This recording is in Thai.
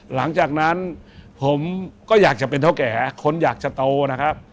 หลังจากนั้นผมก็อยากจะเป็นเท่าแก่คนอยากจะโตนะครับ